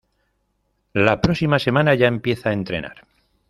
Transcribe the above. La próxima semana ya empiezan a entrenar.